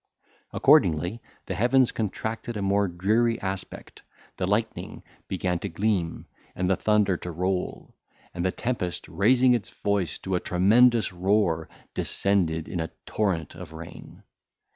Accordingly, the heavens contracted a more dreary aspect, the lightning began to gleam, and the thunder to roll, and the tempest, raising its voice to a tremendous roar, descended in a torrent of rain.